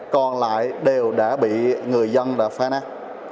còn lại đều đã bị người dân phá nát